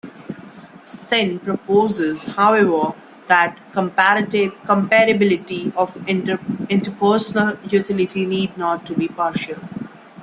Sen proposes, however, that comparability of interpersonal utility need not be partial.